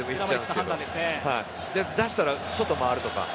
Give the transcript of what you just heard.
出したら外回るとか。